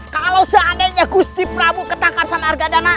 kalau seandainya gusti prabu ketangkan sama argadana